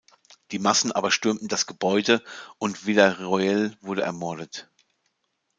Die Massen aber stürmten das Gebäude und Villarroel wurde ermordet.